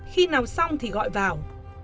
khi nào xong thì gọi vào